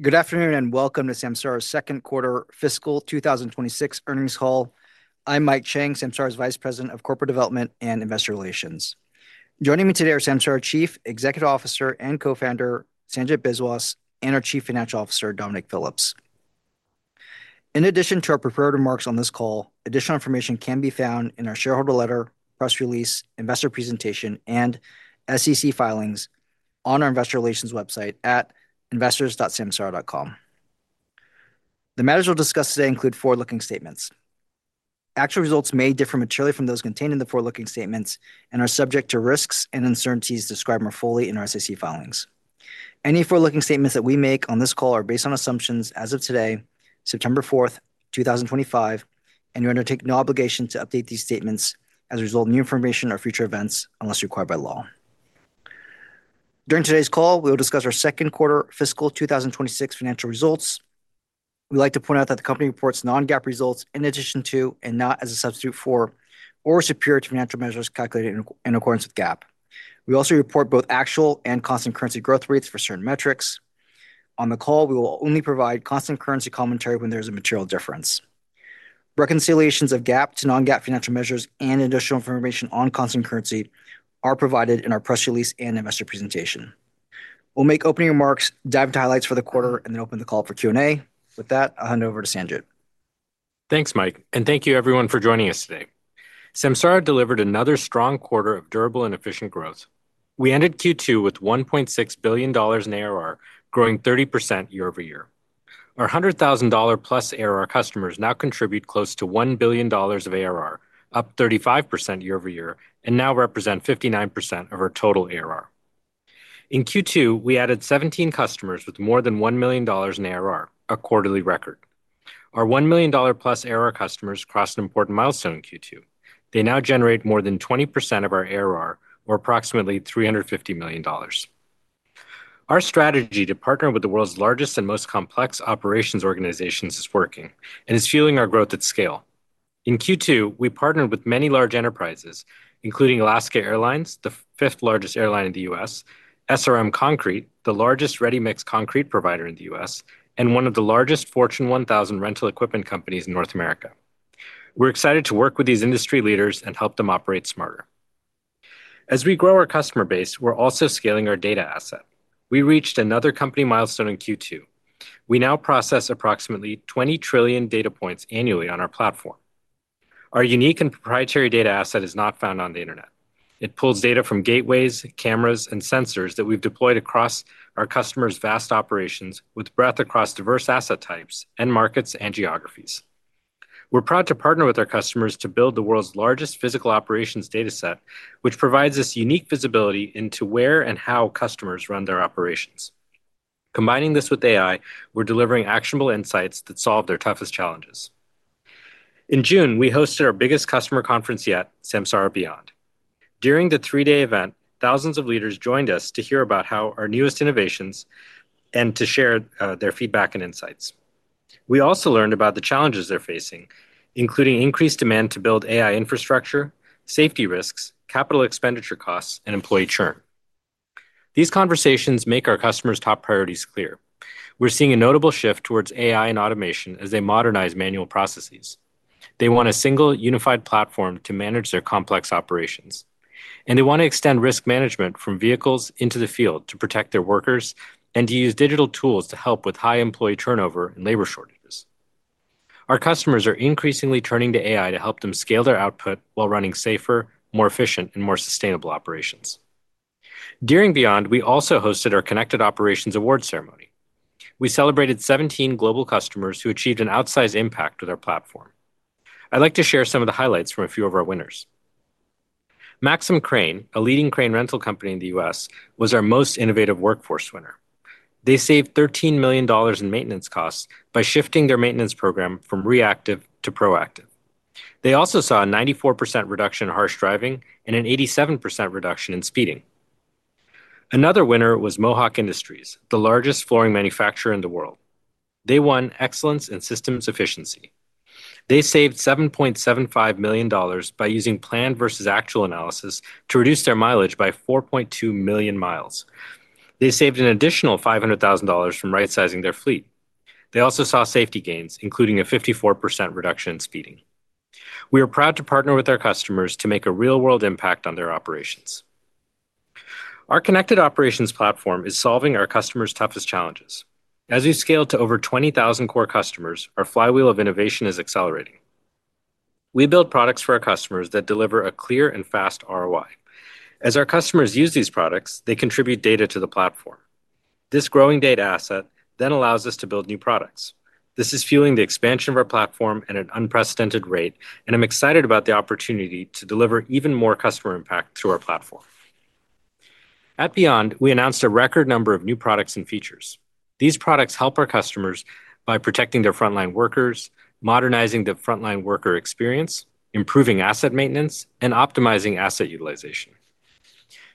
Good afternoon and welcome to Samsara's Second Quarter Fiscal 2026 Earnings Call. I'm Mike Chang, Samsara's Vice President of Corporate Development and Investor Relations. Joining me today are Samsara's Chief Executive Officer and Co-Founder, Sanjit Biswas, and our Chief Financial Officer, Dominic Phillips. In addition to our prepared remarks on this call, additional information can be found in our shareholder letter, press release, investor presentation, and SEC filings on our Investor Relations website at investors.samsara.com. The matters we'll discuss today include forward-looking statements. Actual results may differ materially from those contained in the forward-looking statements and are subject to risks and uncertainties described more fully in our SEC filings. Any forward-looking statements that we make on this call are based on assumptions as of today, September 4th, 2025, and you undertake no obligation to update these statements as a result of new information or future events unless required by law. During today's call, we will discuss our second quarter fiscal 2026 financial results. We'd like to point out that the company reports non-GAAP results in addition to, and not as a substitute for, or superior to financial measures calculated in accordance with GAAP. We also report both actual and constant currency growth rates for certain metrics. On the call, we will only provide constant currency commentary when there is a material difference. Reconciliations of GAAP to non-GAAP financial measures and additional information on constant currency are provided in our press release and investor presentation. We'll make opening remarks, dive into highlights for the quarter, and then open the call for Q&A. With that, I'll hand over to Sanjit. Thanks, Mike, and thank you everyone for joining us today. Samsara delivered another strong quarter of durable and efficient growth. We ended Q2 with $1.6 billion in ARR, growing 30% year-over-year. Our $100,000+ ARR customers now contribute close to $1 billion of ARR, up 35% year-over-year, and now represent 59% of our total ARR. In Q2, we added 17 customers with more than $1 million in ARR, a quarterly record. Our $1 million plus ARR customers crossed an important milestone in Q2. They now generate more than 20% of our ARR, or approximately $350 million. Our strategy to partner with the world's largest and most complex operations organizations is working and is fueling our growth at scale. In Q2, we partnered with many large enterprises, including Alaska Airlines, the fifth largest airline in the U.S., SRM Concrete, the largest ready-mix concrete provider in the U.S., and one of the largest Fortune 1000 rental equipment companies in North America. We're excited to work with these industry leaders and help them operate smarter. As we grow our customer base, we're also scaling our data asset. We reached another company milestone in Q2. We now process approximately 20 trillion data points annually on our platform. Our unique and proprietary data asset is not found on the internet. It pulls data from gateways, cameras, and sensors that we've deployed across our customers' vast operations with breadth across diverse asset types and markets and geographies. We're proud to partner with our customers to build the world's largest physical operations data set, which provides us unique visibility into where and how customers run their operations. Combining this with AI, we're delivering actionable insights that solve their toughest challenges. In June, we hosted our biggest customer conference yet, Samsara Beyond. During the three-day event, thousands of leaders joined us to hear about our newest innovations and to share their feedback and insights. We also learned about the challenges they're facing, including increased demand to build AI infrastructure, safety risks, capital expenditure costs, and employee churn. These conversations make our customers' top priorities clear. We're seeing a notable shift towards AI and automation as they modernize manual processes. They want a single unified platform to manage their complex operations. They want to extend risk management from vehicles into the field to protect their workers and to use digital tools to help with high employee turnover and labor shortages. Our customers are increasingly turning to AI to help them scale their output while running safer, more efficient, and more sustainable operations. During Beyond, we also hosted our Connected Operations Award ceremony. We celebrated 17 global customers who achieved an outsized impact with our platform. I'd like to share some of the highlights from a few of our winners. Maxim Crane, a leading crane rental company in the U.S., was our most innovative workforce winner. They saved $13 million in maintenance costs by shifting their maintenance program from reactive to proactive. They also saw a 94% reduction in harsh driving and an 87% reduction in speeding. Another winner was Mohawk Industries, the largest flooring manufacturer in the world. They won excellence in systems efficiency. They saved $7.75 million by using planned versus actual analysis to reduce their mileage by 4.2 million mi. They saved an additional $500,000 from right-sizing their fleet. They also saw safety gains, including a 54% reduction in speeding. We are proud to partner with our customers to make a real-world impact on their operations. Our Connected Operations Cloud platform is solving our customers' toughest challenges. As we scale to over 20,000 core customers, our flywheel of innovation is accelerating. We build products for our customers that deliver a clear and fast ROI. As our customers use these products, they contribute data to the platform. This growing data asset then allows us to build new products. This is fueling the expansion of our platform at an unprecedented rate, and I'm excited about the opportunity to deliver even more customer impact through our platform. At Beyond, we announced a record number of new products and features. These products help our customers by protecting their frontline workers, modernizing the frontline worker experience, improving asset maintenance, and optimizing asset utilization.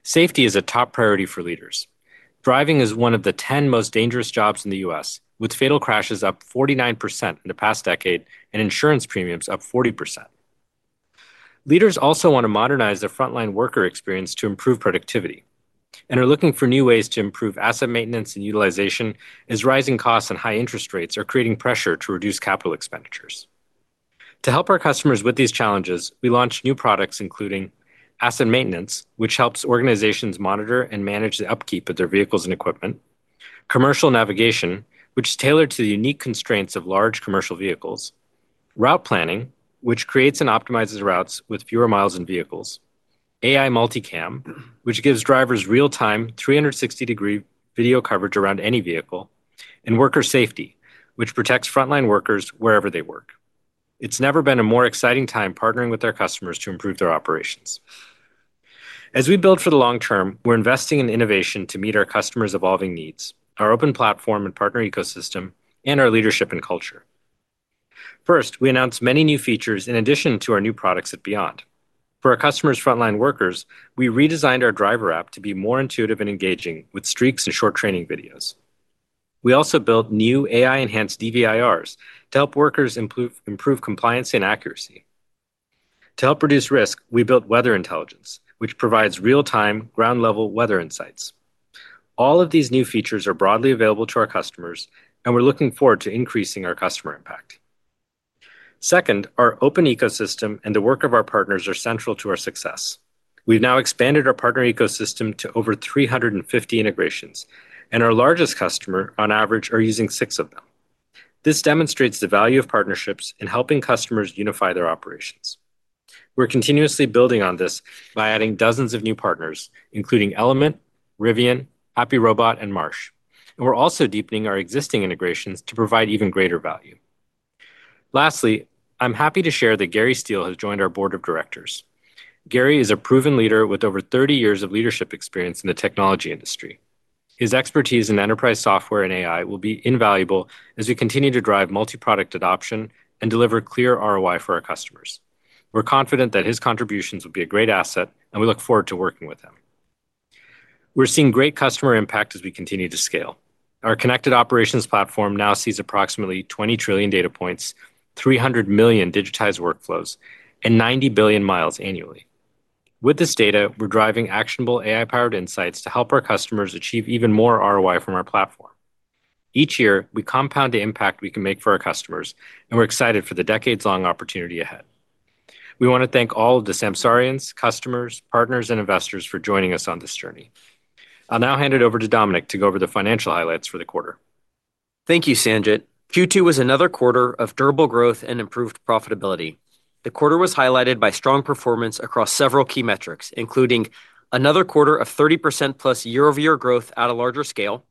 Safety is a top priority for leaders. Driving is one of the 10 most dangerous jobs in the U.S., with fatal crashes up 49% in the past decade and insurance premiums up 40%. Leaders also want to modernize their frontline worker experience to improve productivity and are looking for new ways to improve asset maintenance and utilization as rising costs and high interest rates are creating pressure to reduce capital expenditures. To help our customers with these challenges, we launched new products including asset maintenance, which helps organizations monitor and manage the upkeep of their vehicles and equipment, commercial navigation, which is tailored to the unique constraints of large commercial vehicles, route planning, which creates and optimizes routes with fewer miles and vehicles, AI multicam, which gives drivers real-time 360-degree video coverage around any vehicle, and worker safety, which protects frontline workers wherever they work. It's never been a more exciting time partnering with our customers to improve their operations. As we build for the long term, we're investing in innovation to meet our customers' evolving needs, our open platform and partner ecosystem, and our leadership and culture. First, we announced many new features in addition to our new products at Samsara Beyond. For our customers' frontline workers, we redesigned our driver app to be more intuitive and engaging with streaks and short training videos. We also built new AI-enhanced DVIRs to help workers improve compliance and accuracy. To help reduce risk, we built weather intelligence, which provides real-time ground-level weather insights. All of these new features are broadly available to our customers, and we're looking forward to increasing our customer impact. Second, our open ecosystem and the work of our partners are central to our success. We've now expanded our partner ecosystem to over 350 integrations, and our largest customers, on average, are using six of them. This demonstrates the value of partnerships in helping customers unify their operations. We're continuously building on this by adding dozens of new partners, including Element, Rivian, HappyRobot, and Marsh. We're also deepening our existing integrations to provide even greater value. Lastly, I'm happy to share that Gary Steele has joined our Board of Directors. Gary is a proven leader with over 30 years of leadership experience in the technology industry. His expertise in enterprise software and AI will be invaluable as we continue to drive multi-product adoption and deliver clear ROI for our customers. We're confident that his contributions will be a great asset, and we look forward to working with him. We're seeing great customer impact as we continue to scale. Our Connected Operations Cloud now sees approximately 20 trillion data points, 300 million digitized workflows, and 90 billion mi annually. With this data, we're driving actionable AI-powered insights to help our customers achieve even more ROI from our platform. Each year, we compound the impact we can make for our customers, and we're excited for the decades-long opportunity ahead. We want to thank all of the Samsarians, customers, partners, and investors for joining us on this journey. I'll now hand it over to Dominic to go over the financial highlights for the quarter. Thank you, Sanjit. Q2 was another quarter of durable growth and improved profitability. The quarter was highlighted by strong performance across several key metrics, including another quarter of 30%+ year-over-year growth at a larger scale,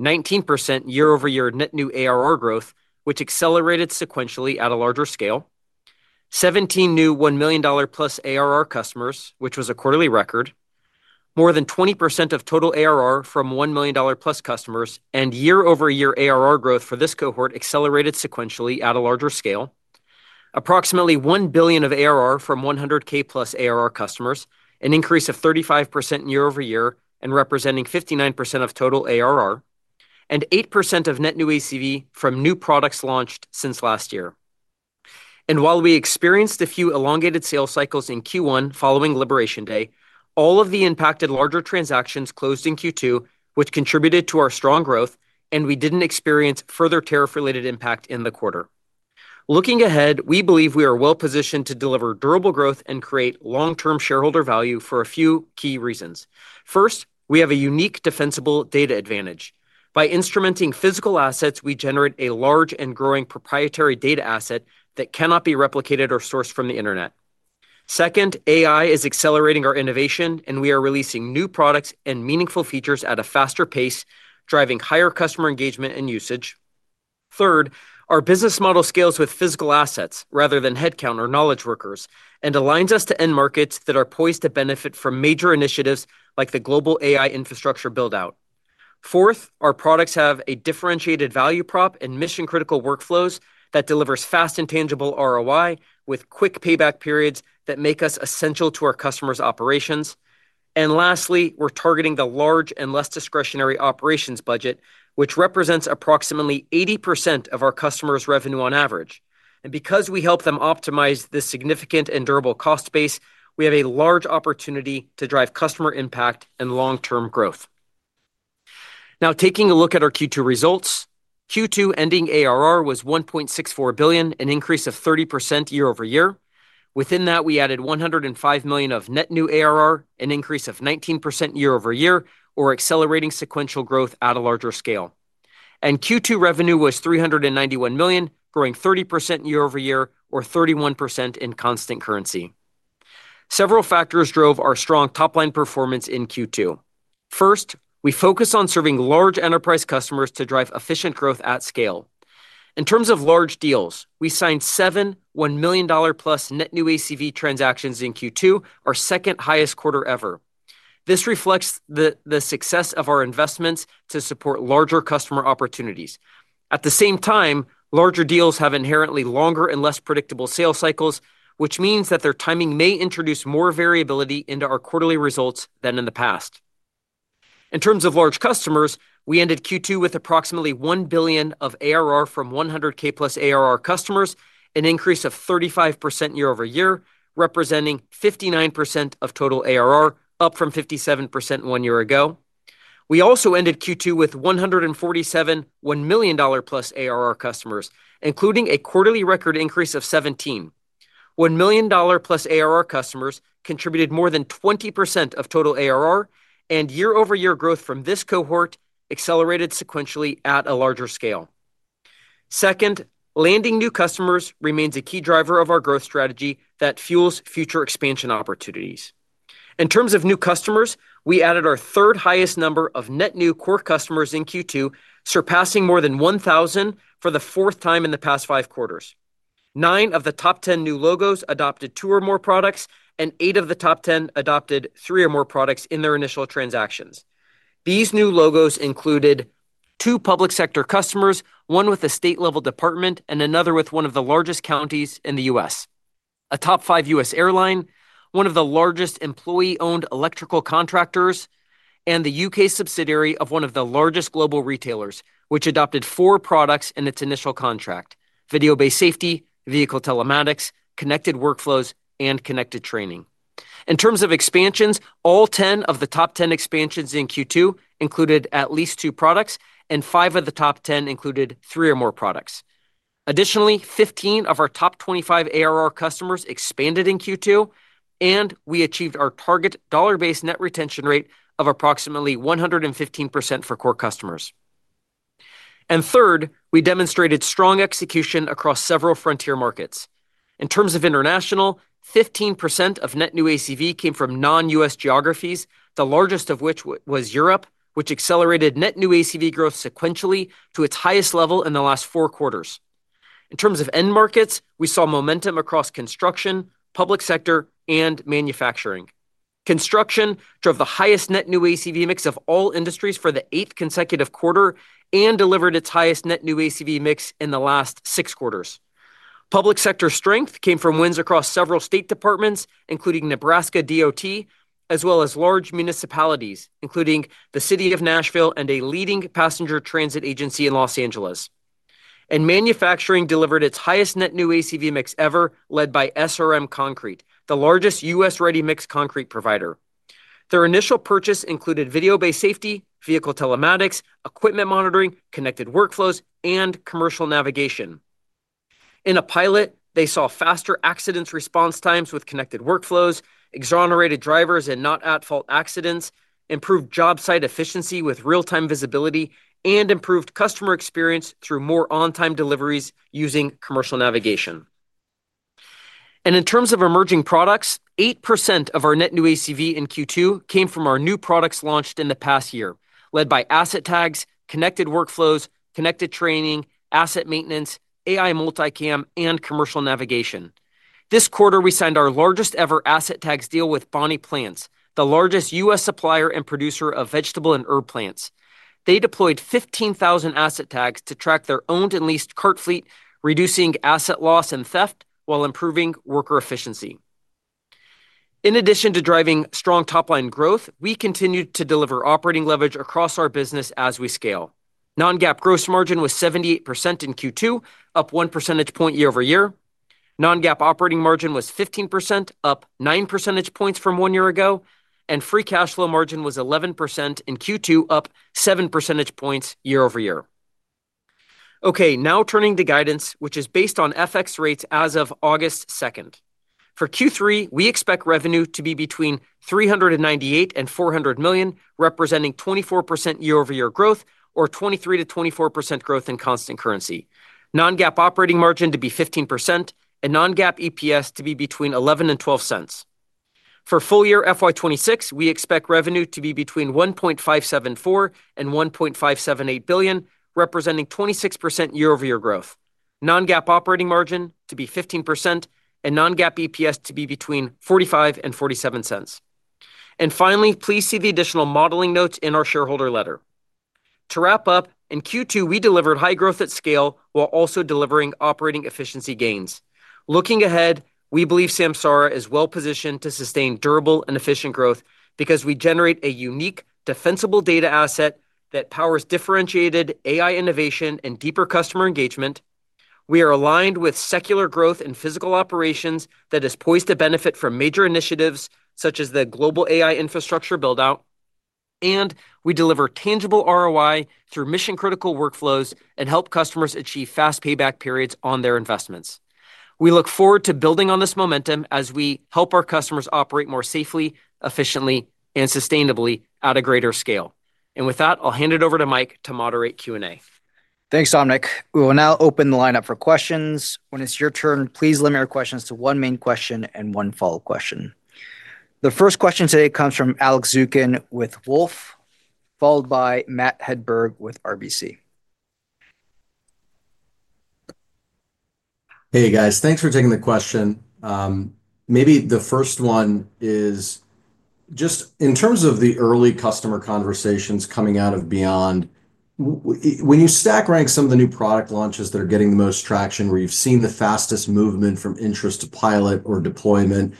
19% year-over-year net new ARR growth, which accelerated sequentially at a larger scale, 17 new $1 million+ ARR customers, which was a quarterly record, more than 20% of total ARR from $1 million+ customers, and year-over-year ARR growth for this cohort accelerated sequentially at a larger scale. Approximately $1 billion of ARR from $100,000+ ARR customers, an increase of 35% year-over-year and representing 59% of total ARR, and 8% of net new ACV from new products launched since last year. While we experienced a few elongated sales cycles in Q1 following Liberation Day, all of the impacted larger transactions closed in Q2, which contributed to our strong growth, and we didn't experience further tariff-related impact in the quarter. Looking ahead, we believe we are well positioned to deliver durable growth and create long-term shareholder value for a few key reasons. First, we have a unique defensible data advantage. By instrumenting physical assets, we generate a large and growing proprietary data asset that cannot be replicated or sourced from the internet. Second, AI is accelerating our innovation, and we are releasing new products and meaningful features at a faster pace, driving higher customer engagement and usage. Third, our business model scales with physical assets rather than headcount or knowledge workers and aligns us to end markets that are poised to benefit from major initiatives like the global AI infrastructure buildout. Fourth, our products have a differentiated value prop and mission-critical workflows that deliver fast and tangible ROI with quick payback periods that make us essential to our customers' operations. Lastly, we're targeting the large and less discretionary operations budget, which represents approximately 80% of our customers' revenue on average. Because we help them optimize this significant and durable cost base, we have a large opportunity to drive customer impact and long-term growth. Now, taking a look at our Q2 results, Q2 ending ARR was $1.64 billion, an increase of 30% year-over-year. Within that, we added $105 million of net new ARR, an increase of 19% year-over-year, accelerating sequential growth at a larger scale. Q2 revenue was $391 million, growing 30% year-over-year, or 31% in constant currency. Several factors drove our strong top-line performance in Q2. First, we focus on serving large enterprise customers to drive efficient growth at scale. In terms of large deals, we signed seven $1 million plus net new ACV transactions in Q2, our second highest quarter ever. This reflects the success of our investments to support larger customer opportunities. At the same time, larger deals have inherently longer and less predictable sales cycles, which means that their timing may introduce more variability into our quarterly results than in the past. In terms of large customers, we ended Q2 with approximately $1 billion of ARR from $100,000+ ARR customers, an increase of 35% year-over-year, representing 59% of total ARR, up from 57% one year ago. We also ended Q2 with 147 $1 million plus ARR customers, including a quarterly record increase of 17. $1 million plus ARR customers contributed more than 20% of total ARR, and year-over-year growth from this cohort accelerated sequentially at a larger scale. Second, landing new customers remains a key driver of our growth strategy that fuels future expansion opportunities. In terms of new customers, we added our third highest number of net new core customers in Q2, surpassing more than 1,000 for the fourth time in the past five quarters. Nine of the top 10 new logos adopted two or more products, and eight of the top 10 adopted three or more products in their initial transactions. These new logos included two public sector customers, one with a state-level department and another with one of the largest counties in the U.S., a top five U.S. airline, one of the largest employee-owned electrical contractors, and the U.K. subsidiary of one of the largest global retailers, which adopted four products in its initial contract: video-based safety, vehicle telematics, connected workflows, and connected training. In terms of expansions, all 10 of the top 10 expansions in Q2 included at least two products, and five of the top 10 included three or more products. Additionally, 15 of our top 25 ARR customers expanded in Q2, and we achieved our target dollar-based net retention rate of approximately 115% for core customers. Third, we demonstrated strong execution across several frontier markets. In terms of international, 15% of net new ACV came from non-U.S. geographies, the largest of which was Europe, which accelerated net new ACV growth sequentially to its highest level in the last four quarters. In terms of end markets, we saw momentum across construction, public sector, and manufacturing. Construction drove the highest net new ACV mix of all industries for the eighth consecutive quarter and delivered its highest net new ACV mix in the last six quarters. Public sector strength came from wins across several state departments, including Nebraska DOT, as well as large municipalities, including the City of Nashville and a leading passenger transit agency in Los Angeles. Manufacturing delivered its highest net new ACV mix ever, led by SRM Concrete, the largest U.S. ready-mix concrete provider. Their initial purchase included video-based safety, vehicle telematics, equipment monitoring, connected workflows, and commercial navigation. In a pilot, they saw faster accident response times with connected workflows, exonerated drivers in not-at-fault accidents, improved job site efficiency with real-time visibility, and improved customer experience through more on-time deliveries using commercial navigation. In terms of emerging products, 8% of our net new ACV in Q2 came from our new products launched in the past year, led by asset tags, connected workflows, connected training, asset maintenance, AI multicam, and commercial navigation. This quarter, we signed our largest-ever asset tags deal with Bonnie Plants, the largest U.S. supplier and producer of vegetable and herb plants. They deployed 15,000 asset tags to track their owned and leased cart fleet, reducing asset loss and theft while improving worker efficiency. In addition to driving strong top-line growth, we continued to deliver operating leverage across our business as we scale. Non-GAAP gross margin was 78% in Q2, up 1 percentage point year-over-year. Non-GAAP operating margin was 15%, up 9 percentage points from one year ago. Free cash flow margin was 11% in Q2, up 7 percentage points year-over-year. Now turning to guidance, which is based on FX rates as of August 2nd. For Q3, we expect revenue to be between $398 million and $400 million, representing 24% year-over-year growth or 23%-24% growth in constant currency. Non-GAAP operating margin to be 15% and non-GAAP EPS to be between $0.11 and $0.12. For full-year FY 2026, we expect revenue to be between $1.574 billion and $1.578 billion, representing 26% year-over-year growth. Non-GAAP operating margin to be 15% and non-GAAP EPS to be between $0.45 and $0.47. Please see the additional modeling notes in our shareholder letter. To wrap up, in Q2, we delivered high growth at scale while also delivering operating efficiency gains. Looking ahead, we believe Samsara is well positioned to sustain durable and efficient growth because we generate a unique, defensible data asset that powers differentiated AI innovation and deeper customer engagement. We are aligned with secular growth in physical operations that is poised to benefit from major initiatives such as the global AI infrastructure buildout. We deliver tangible ROI through mission-critical workflows and help customers achieve fast payback periods on their investments. We look forward to building on this momentum as we help our customers operate more safely, efficiently, and sustainably at a greater scale. With that, I'll hand it over to Mike to moderate Q&A. Thanks, Dominic. We will now open the line up for questions. When it's your turn, please limit your questions to one main question and one follow-up question. The first question today comes from Alex Zukin with Wolfe, followed by Matt Hedberg with RBC. Hey, guys, thanks for taking the question. Maybe the first one is just in terms of the early customer conversations coming out of Samsara Beyond. When you stack rank some of the new product launches that are getting most traction, where you've seen the fastest movement from interest to pilot or deployment,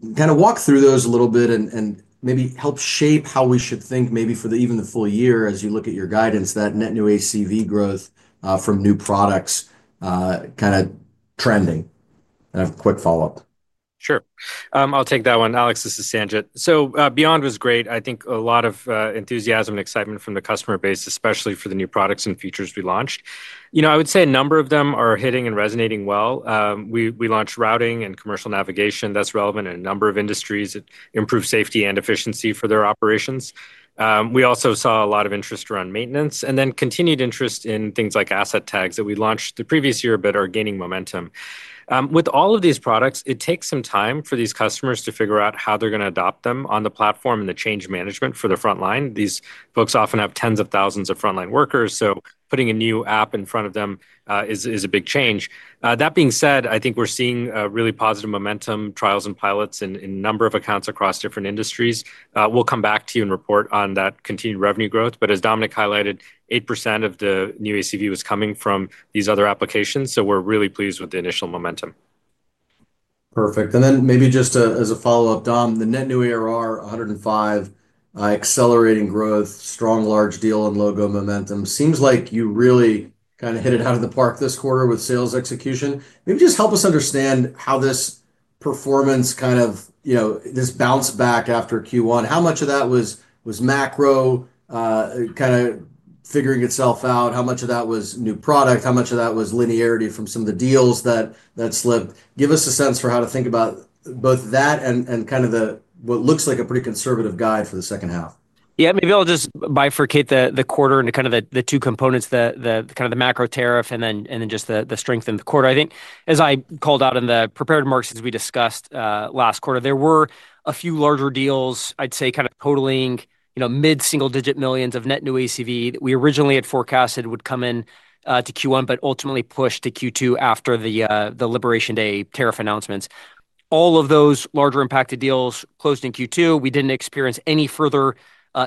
walk through those a little bit and maybe help shape how we should think for even the full year as you look at your guidance that net new ACV growth from new products trending. A quick follow-up. Sure. I'll take that one. Alex, this is Sanjit. Beyond was great. I think a lot of enthusiasm and excitement from the customer base, especially for the new products and features we launched. I would say a number of them are hitting and resonating well. We launched routing and commercial navigation that's relevant in a number of industries that improve safety and efficiency for their operations. We also saw a lot of interest around maintenance and then continued interest in things like asset tags that we launched the previous year but are gaining momentum. With all of these products, it takes some time for these customers to figure out how they're going to adopt them on the platform and the change management for their frontline. These folks often have tens of thousands of frontline workers, so putting a new app in front of them is a big change. That being said, I think we're seeing really positive momentum, trials and pilots in a number of accounts across different industries. We'll come back to you and report on that continued revenue growth. As Dominic highlighted, 8% of the new ACV was coming from these other applications. We're really pleased with the initial momentum. Perfect. Maybe just as a follow-up, Dom, the net new ARR, $105 million, accelerating growth, strong large deal and logo momentum, seems like you really kind of hit it out of the park this quarter with sales execution. Maybe just help us understand how this performance, this bounce back after Q1, how much of that was macro, kind of figuring itself out, how much of that was new product, how much of that was linearity from some of the deals that slipped. Give us a sense for how to think about both that and what looks like a pretty conservative guide for the second half. Yeah, maybe I'll just bifurcate the quarter into kind of the two components, the kind of the macro tariff and then just the strength in the quarter. I think, as I called out in the prepared remarks as we discussed last quarter, there were a few larger deals, I'd say kind of totaling, you know, mid-single-digit millions of net new ACV that we originally had forecasted would come in to Q1 but ultimately pushed to Q2 after the Liberation Day tariff announcements. All of those larger impacted deals closed in Q2. We didn't experience any further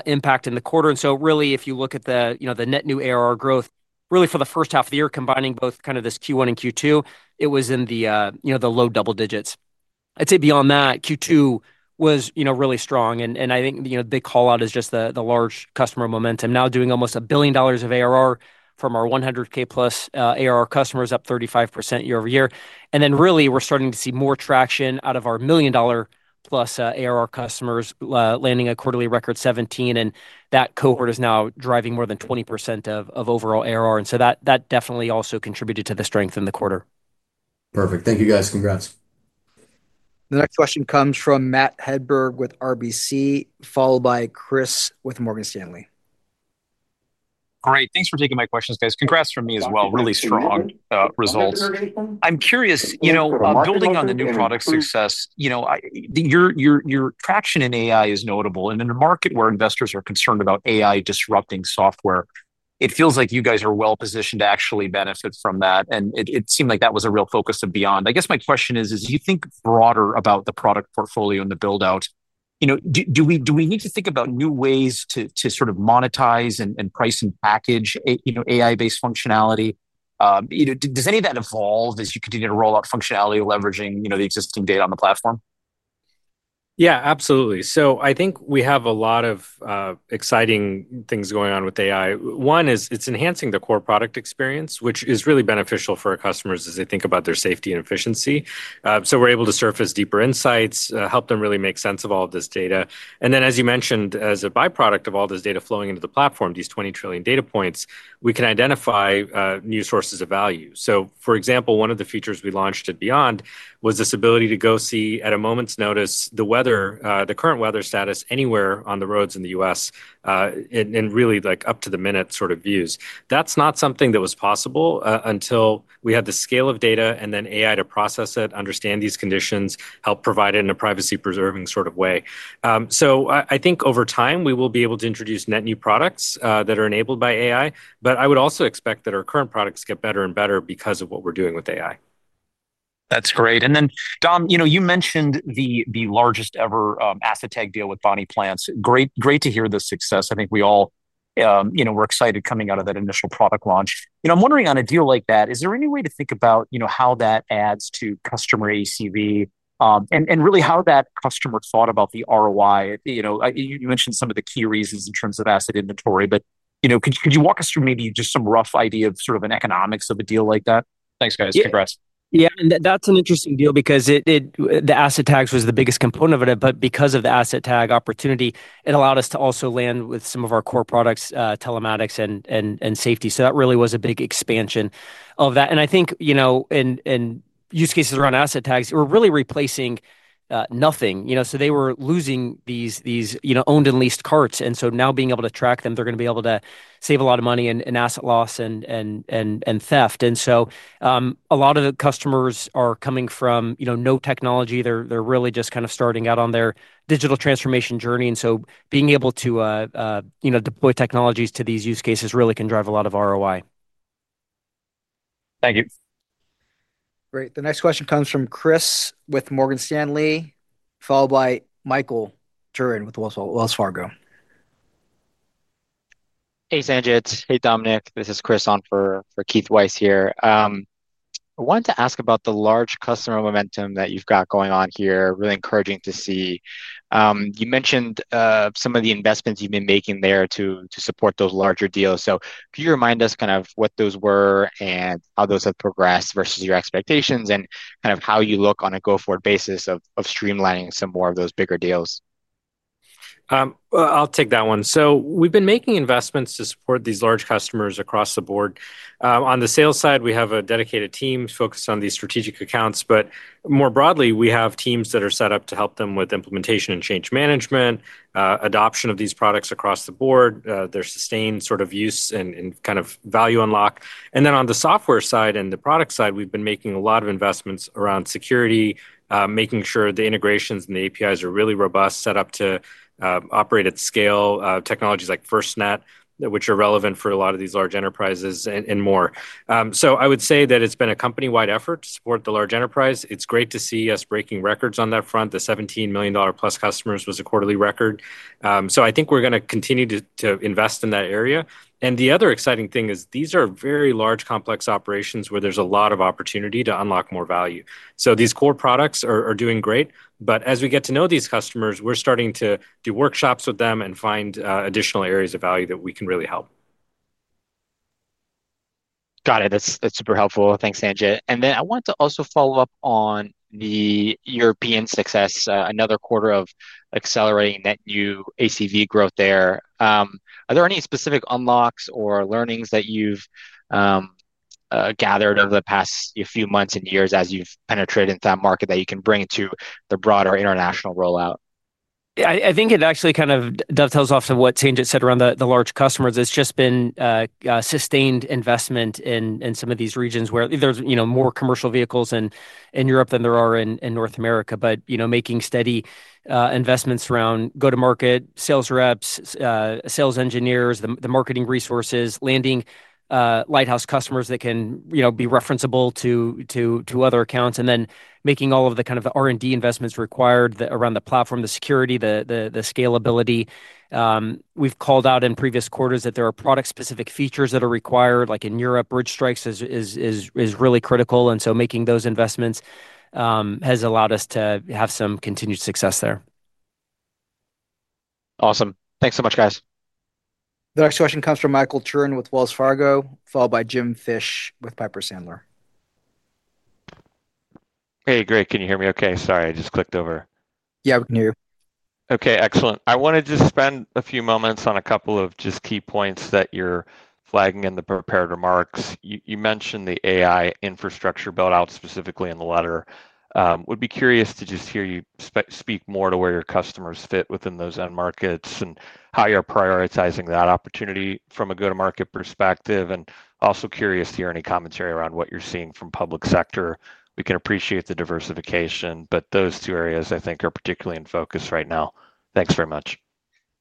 impact in the quarter. If you look at the net new ARR growth, really for the first half of the year, combining both kind of this Q1 and Q2, it was in the low double digits. I'd say beyond that, Q2 was really strong. I think the big callout is just the large customer momentum now doing almost $1 billion of ARR from our $100,000+ ARR customers, up 35% year-over-year. We're starting to see more traction out of our $1 million plus ARR customers, landing a quarterly record 17. That cohort is now driving more than 20% of overall ARR. That definitely also contributed to the strength in the quarter. Perfect. Thank you, guys. Congrats. The next question comes from Matt Hedberg with RBC, followed by Chris with Morgan Stanley. All right, thanks for taking my questions, guys. Congrats from me as well. Really strong results. I'm curious, building on the new product's success, your traction in AI is notable. In a market where investors are concerned about AI disrupting software, it feels like you guys are well positioned to actually benefit from that. It seemed like that was a real focus of Samsara Beyond. I guess my question is, do you think broader about the product portfolio and the buildout? Do we need to think about new ways to sort of monetize and price and package AI-based functionality? Does any of that evolve as you continue to roll out functionality leveraging the existing data on the platform? Yeah, absolutely. I think we have a lot of exciting things going on with AI. One is it's enhancing the core product experience, which is really beneficial for our customers as they think about their safety and efficiency. We're able to surface deeper insights, help them really make sense of all of this data. As you mentioned, as a byproduct of all this data flowing into the platform, these 20 trillion data points, we can identify new sources of value. For example, one of the features we launched at Samsara Beyond was this ability to go see at a moment's notice the weather, the current weather status anywhere on the roads in the U.S., and really up-to-the-minute sort of views. That's not something that was possible until we had the scale of data and then AI to process it, understand these conditions, help provide it in a privacy-preserving sort of way. I think over time, we will be able to introduce net new products that are enabled by AI. I would also expect that our current products get better and better because of what we're doing with AI. That's great. Dom, you mentioned the largest ever asset tag deal with Bonnie Plants. Great to hear the success. I think we all were excited coming out of that initial product launch. I'm wondering on a deal like that, is there any way to think about how that adds to customer ACV and really how that customer thought about the ROI? You mentioned some of the key reasons in terms of asset inventory, but could you walk us through maybe just some rough idea of sort of an economics of a deal like that? Thanks, guys. Congrats. Yeah, that's an interesting deal because the asset tags was the biggest component of it. Because of the asset tag opportunity, it allowed us to also land with some of our core products, telematics and safety. That really was a big expansion of that. I think in use cases around asset tags, we're really replacing nothing. They were losing these owned and leased carts, and now being able to track them, they're going to be able to save a lot of money in asset loss and theft. A lot of the customers are coming from no technology. They're really just kind of starting out on their digital transformation journey. Being able to deploy technologies to these use cases really can drive a lot of ROI. Thank you. Great. The next question comes from Chris with Morgan Stanley, followed by Michael Turrin with Wells Fargo. Hey, Sanjit. Hey, Dominic. This is Chris on for Keith Weiss here. I wanted to ask about the large customer momentum that you've got going on here, really encouraging to see. You mentioned some of the investments you've been making there to support those larger deals. Could you remind us kind of what those were and how those have progressed versus your expectations and how you look on a go-forward basis of streamlining some more of those bigger deals? I'll take that one. We've been making investments to support these large customers across the board. On the sales side, we have a dedicated team focused on these strategic accounts. More broadly, we have teams that are set up to help them with implementation and change management, adoption of these products across the board, their sustained sort of use and kind of value unlock. On the software side and the product side, we've been making a lot of investments around security, making sure the integrations and the APIs are really robust, set up to operate at scale, technologies like FirstNet, which are relevant for a lot of these large enterprises and more. I would say that it's been a company-wide effort to support the large enterprise. It's great to see us breaking records on that front. The $17 million+ customers was a quarterly record. I think we're going to continue to invest in that area. The other exciting thing is these are very large, complex operations where there's a lot of opportunity to unlock more value. These core products are doing great. As we get to know these customers, we're starting to do workshops with them and find additional areas of value that we can really help. Got it. That's super helpful. Thanks, Sanjit. I want to also follow up on the European success, another quarter of accelerating net new ACV growth there. Are there any specific unlocks or learnings that you've gathered over the past few months and years as you've penetrated into that market that you can bring to the broader international rollout? Yeah, I think it actually kind of dovetails off of what Sanjit said around the large customers. It's just been sustained investment in some of these regions where there's, you know, more commercial vehicles in Europe than there are in North America. You know, making steady investments around go-to-market sales reps, sales engineers, the marketing resources, landing lighthouse customers that can, you know, be referenceable to other accounts, and then making all of the kind of the R&D investments required around the platform, the security, the scalability. We've called out in previous quarters that there are product-specific features that are required, like in Europe, Bridge Strike is really critical. Making those investments has allowed us to have some continued success there. Awesome. Thanks so much, guys. The next question comes from Michael Turrin with Wells Fargo, followed by Jim Fish with Piper Sandler. Hey, great. Can you hear me okay? Sorry, I just clicked over. Yeah, we can hear you. Okay, excellent. I wanted to spend a few moments on a couple of just key points that you're flagging in the prepared remarks. You mentioned the AI infrastructure buildout specifically in the letter. Would be curious to just hear you speak more to where your customers fit within those end markets and how you're prioritizing that opportunity from a go-to-market perspective. Also curious to hear any commentary around what you're seeing from public sector. We can appreciate the diversification, but those two areas I think are particularly in focus right now. Thanks very much.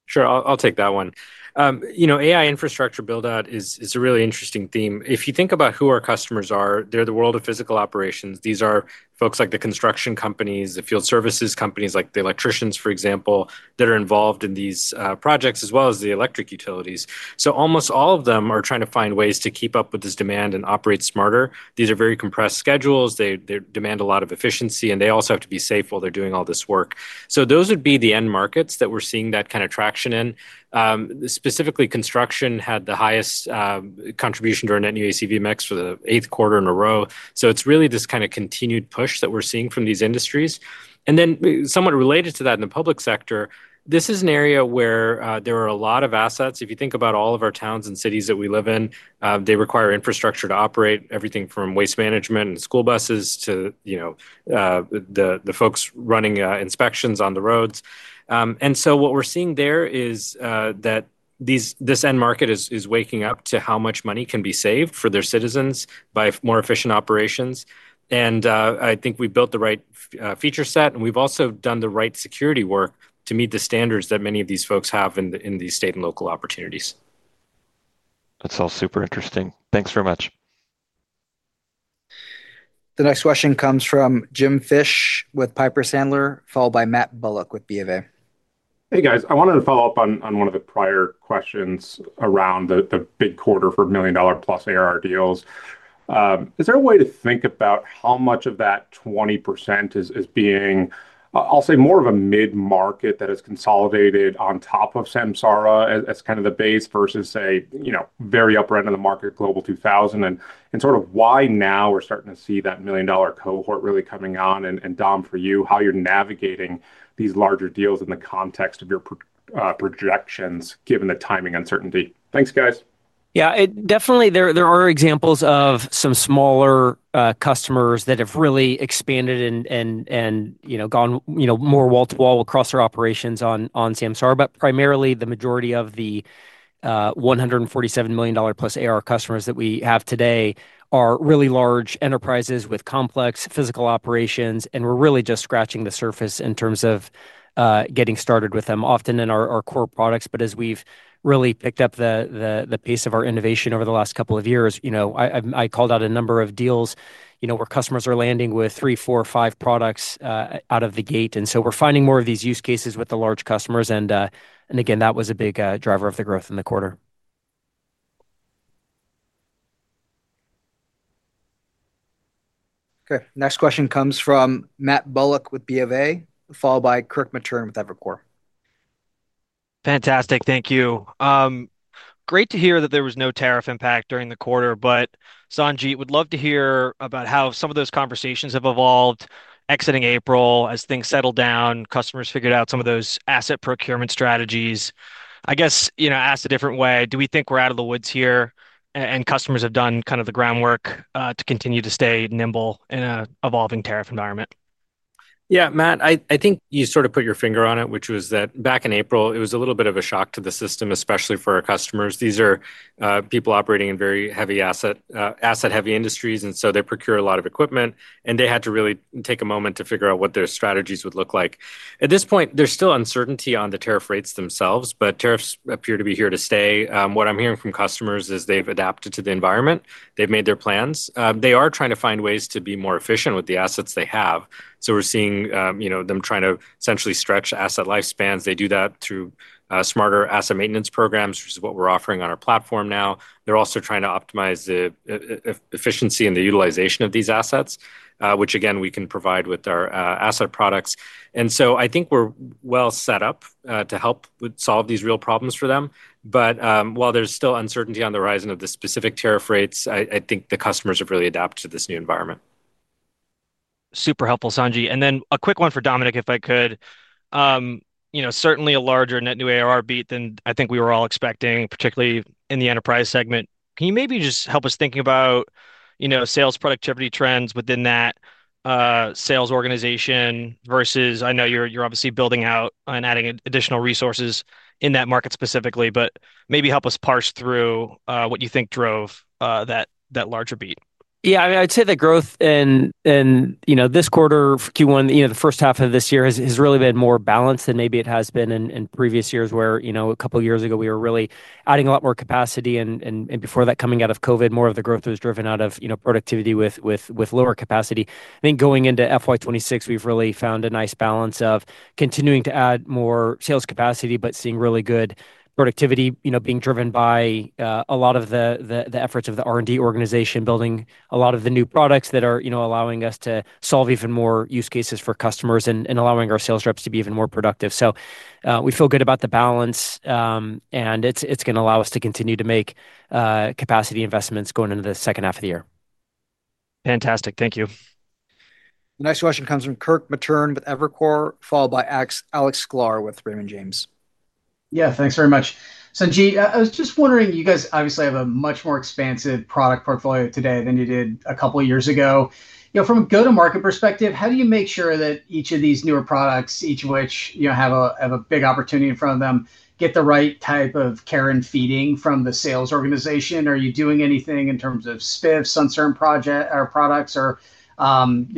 Sure, I'll take that one. You know, AI infrastructure buildout is a really interesting theme. If you think about who our customers are, they're the world of physical operations. These are folks like the construction companies, the field services companies, like the electricians, for example, that are involved in these projects, as well as the electric utilities. Almost all of them are trying to find ways to keep up with this demand and operate smarter. These are very compressed schedules. They demand a lot of efficiency, and they also have to be safe while they're doing all this work. Those would be the end markets that we're seeing that kind of traction in. Specifically, construction had the highest contribution to our net new ACV mix for the eighth quarter in a row. It's really this kind of continued push that we're seeing from these industries. Somewhat related to that in the public sector, this is an area where there are a lot of assets. If you think about all of our towns and cities that we live in, they require infrastructure to operate everything from waste management and school buses to the folks running inspections on the roads. What we're seeing there is that this end market is waking up to how much money can be saved for their citizens by more efficient operations. I think we built the right feature set, and we've also done the right security work to meet the standards that many of these folks have in these state and local opportunities. That's all super interesting. Thanks very much. The next question comes from Jim Fish with Piper Sandler, followed by Matt Bullock with BofA. Hey, guys, I wanted to follow up on one of the prior questions around the big quarter for $1 million plus ARR deals. Is there a way to think about how much of that 20% is being, I'll say, more of a mid-market that is consolidated on top of Samsara as kind of the base versus, say, you know, very upper end of the market, Global 2000, and sort of why now we're starting to see that million-dollar cohort really coming on? Dom, for you, how you're navigating these larger deals in the context of your projections, given the timing uncertainty? Thanks, guys. Yeah, definitely there are examples of some smaller customers that have really expanded and gone more wall to wall across our operations on Samsara, but primarily the majority of the $147 million+ ARR customers that we have today are really large enterprises with complex physical operations, and we're really just scratching the surface in terms of getting started with them, often in our core products. As we've really picked up the pace of our innovation over the last couple of years, I called out a number of deals where customers are landing with three, four, or five products out of the gate. We're finding more of these use cases with the large customers. That was a big driver of the growth in the quarter. Okay, next question comes from Matt Bullock with BofA, followed by Kirk Materne with Evercore. Fantastic, thank you. Great to hear that there was no tariff impact during the quarter, but Sanjit, would love to hear about how some of those conversations have evolved exiting April as things settled down, customers figured out some of those asset procurement strategies. I guess, you know, asked a different way, do we think we're out of the woods here and customers have done kind of the groundwork to continue to stay nimble in an evolving tariff environment? Yeah, Matt, I think you sort of put your finger on it, which was that back in April, it was a little bit of a shock to the system, especially for our customers. These are people operating in very asset-heavy industries, and they procure a lot of equipment, and they had to really take a moment to figure out what their strategies would look like. At this point, there's still uncertainty on the tariff rates themselves, but tariffs appear to be here to stay. What I'm hearing from customers is they've adapted to the environment. They've made their plans. They are trying to find ways to be more efficient with the assets they have. We're seeing them trying to essentially stretch asset lifespans. They do that through smarter asset maintenance programs, which is what we're offering on our platform now. They're also trying to optimize the efficiency and the utilization of these assets, which again, we can provide with our asset products. I think we're well set up to help solve these real problems for them. While there's still uncertainty on the horizon of the specific tariff rates, I think the customers have really adapted to this new environment. Super helpful, Sanjit. A quick one for Dominic, if I could. Certainly a larger net new ARR beat than I think we were all expecting, particularly in the enterprise segment. Can you maybe just help us think about sales productivity trends within that sales organization versus, I know you're obviously building out and adding additional resources in that market specifically, but maybe help us parse through what you think drove that larger beat. I would say the growth in this quarter, Q1, the first half of this year has really been more balanced than maybe it has been in previous years where a couple of years ago we were really adding a lot more capacity, and before that, coming out of COVID, more of the growth was driven out of productivity with lower capacity. I think going into FY 2026, we've really found a nice balance of continuing to add more sales capacity, but seeing really good productivity being driven by a lot of the efforts of the R&D organization, building a lot of the new products that are allowing us to solve even more use cases for customers and allowing our sales reps to be even more productive. We feel good about the balance, and it's going to allow us to continue to make capacity investments going into the second half of the year. Fantastic, thank you. The next question comes from Kirk Materne with Evercore, followed by Alex Sklar with Raymond James. Yeah, thanks very much. Sanjit, I was just wondering, you guys obviously have a much more expansive product portfolio today than you did a couple of years ago. From a go-to-market perspective, how do you make sure that each of these newer products, each of which have a big opportunity in front of them, get the right type of care and feeding from the sales organization? Are you doing anything in terms of spiffs on certain projects or products or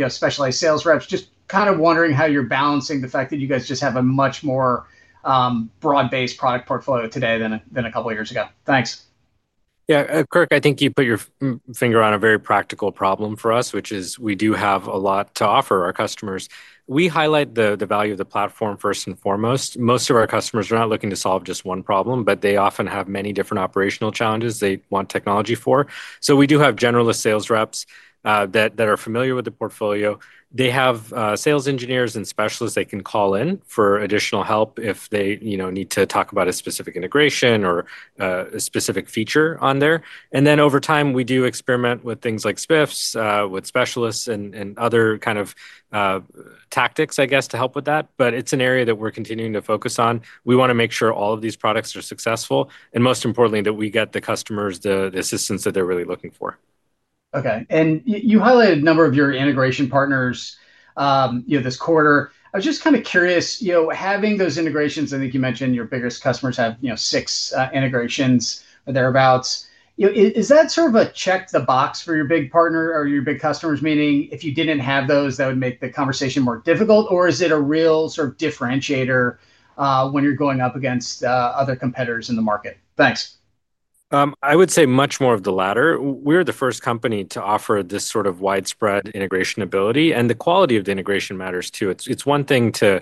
specialized sales reps? Just kind of wondering how you're balancing the fact that you guys just have a much more broad-based product portfolio today than a couple of years ago. Thanks. Yeah, Kirk, I think you put your finger on a very practical problem for us, which is we do have a lot to offer our customers. We highlight the value of the platform first and foremost. Most of our customers are not looking to solve just one problem, but they often have many different operational challenges they want technology for. We do have generalist sales reps that are familiar with the portfolio. They have sales engineers and specialists they can call in for additional help if they need to talk about a specific integration or a specific feature on there. Over time, we do experiment with things like spiffs, with specialists, and other kind of tactics, I guess, to help with that. It is an area that we're continuing to focus on. We want to make sure all of these products are successful, and most importantly, that we get the customers the assistance that they're really looking for. Okay, and you highlighted a number of your integration partners this quarter. I was just kind of curious, having those integrations, I think you mentioned your biggest customers have six integrations thereabouts. Is that sort of a check-the-box for your big partner or your big customers, meaning if you didn't have those, that would make the conversation more difficult, or is it a real sort of differentiator when you're going up against other competitors in the market? Thanks. I would say much more of the latter. We're the first company to offer this sort of widespread integration ability, and the quality of the integration matters too. It's one thing to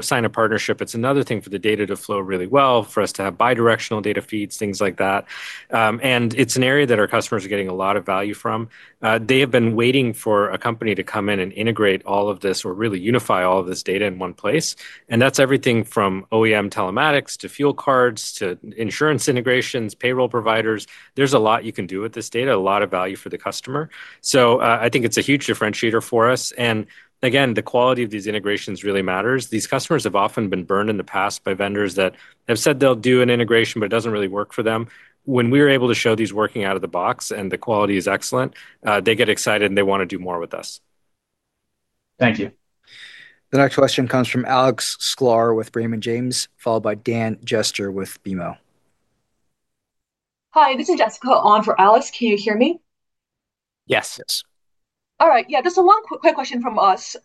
sign a partnership. It's another thing for the data to flow really well, for us to have bidirectional data feeds, things like that. It's an area that our customers are getting a lot of value from. They have been waiting for a company to come in and integrate all of this or really unify all of this data in one place. That's everything from OEM telematics to fuel cards to insurance integrations, payroll providers. There's a lot you can do with this data, a lot of value for the customer. I think it's a huge differentiator for us. Again, the quality of these integrations really matters. These customers have often been burned in the past by vendors that have said they'll do an integration, but it doesn't really work for them. When we're able to show these working out of the box and the quality is excellent, they get excited and they want to do more with us. Thank you. The next question comes from Alex Sklar with Raymond James, followed by Dan Jester with BMO. Hi, this is Jessica on for Alex. Can you hear me? Yes, yes. All right, just a quick question from us.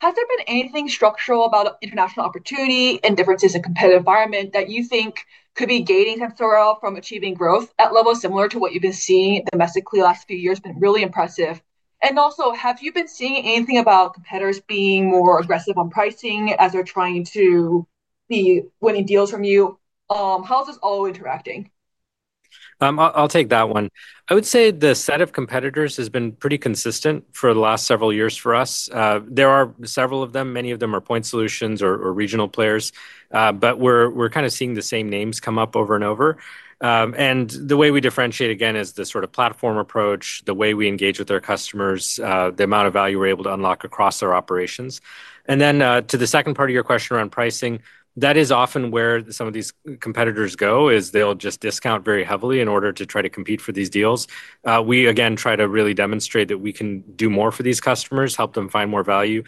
Has there been anything structural about international opportunity and differences in the competitive environment that you think could be gaining from achieving growth at levels similar to what you've been seeing domestically the last few years? It's been really impressive. Also, have you been seeing anything about competitors being more aggressive on pricing as they're trying to see winning deals from you? How is this all interacting? I'll take that one. I would say the set of competitors has been pretty consistent for the last several years for us. There are several of them. Many of them are point solutions or regional players, but we're kind of seeing the same names come up over and over. The way we differentiate, again, is the sort of platform approach, the way we engage with our customers, the amount of value we're able to unlock across our operations. To the second part of your question around pricing, that is often where some of these competitors go, as they'll just discount very heavily in order to try to compete for these deals. We, again, try to really demonstrate that we can do more for these customers, help them find more value.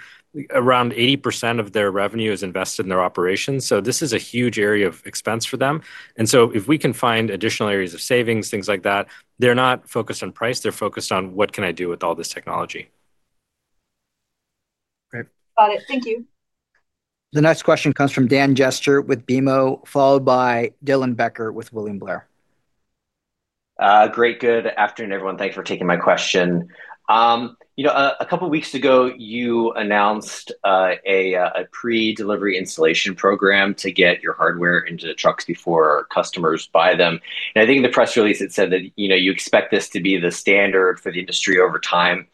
Around 80% of their revenue is invested in their operations. This is a huge area of expense for them. If we can find additional areas of savings, things like that, they're not focused on price. They're focused on what can I do with all this technology. Got it. Thank you. The next question comes from Dan Jester with BMO, followed by Dylan Becker with William Blair. Great, good afternoon, everyone. Thanks for taking my question. A couple of weeks ago, you announced a pre-delivery installation program to get your hardware into trucks before customers buy them. I think in the press release, it said that you expect this to be the standard for the industry over time.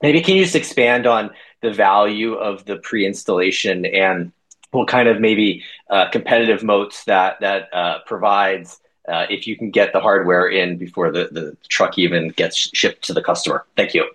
Maybe can you just expand on the value of the pre-installation and what kind of maybe competitive moats that provides if you can get the hardware in before the truck even gets shipped to the customer? Thank you.